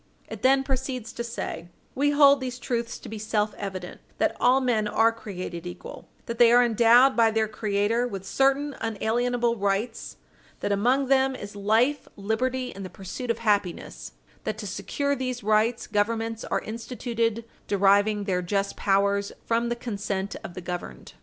It then proceeds to say: "We hold these truths to be self evident: that all men are created equal; that they are endowed by their Creator with certain unalienable rights; that among them is life, liberty, and the pursuit of happiness; that to secure these rights, Governments are instituted, deriving their just powers from the consent of the governed."